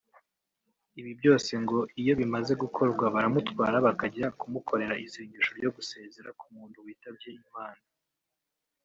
Ibi byose ngo iyo bimaze gukorwa baramutwara bakajya kumukorera isengesho ryo gusezera ku muntu witabye Imana